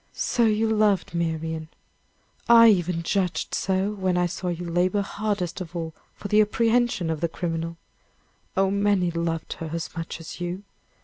"So you loved Marian I even judged so when I saw you labor hardest of all for the apprehension of the criminal. Oh, many loved her as much as you!